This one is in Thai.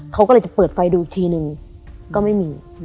เขาก็เลยจะเปิดไฟดูอีกทีนึงก็ไม่มี